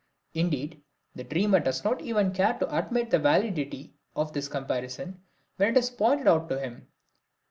Indeed, the dreamer does not even care to admit the validity of this comparison when it is pointed out to him.